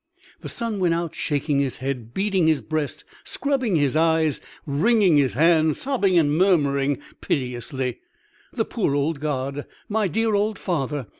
The Son went out, shaking his head, beating his breast, scrubbing his eyes, wringing his hands, sobbing and murmuring piteously. "The poor old God! my dear old father!